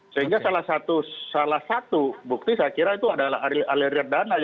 sehingga salah satu bukti saya kira adalah alerian dana